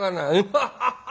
「アハハハ！